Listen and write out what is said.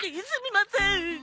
すみません。